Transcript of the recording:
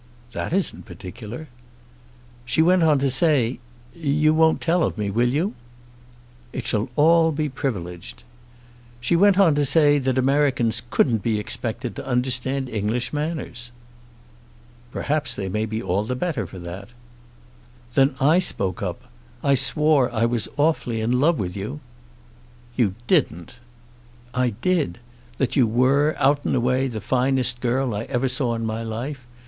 "That isn't particular." "She went on to say; you won't tell of me; will you?" "It shall all be privileged." "She went on to say that Americans couldn't be expected to understand English manners." "Perhaps they may be all the better for that." "Then I spoke up. I swore I was awfully in love with you." "You didn't." "I did; that you were, out and away, the finest girl I ever saw in my life.